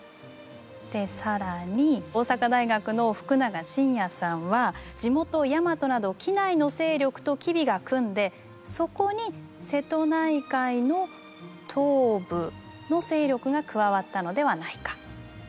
で更に大阪大学の福永伸哉さんは地元ヤマトなど畿内の勢力と吉備が組んでそこに瀬戸内海の東部の勢力が加わったのではないか。